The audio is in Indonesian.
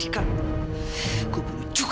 dika aku benar benar benar benar benar